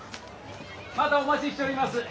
またお待ちしちょります。